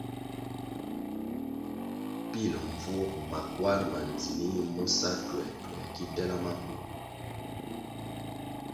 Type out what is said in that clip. Pil mbvuo makwar ma ndzinih mo sa tuertuer ki tela maku.